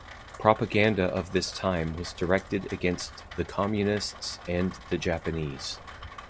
Propaganda of this time was directed against the Communists and the Japanese.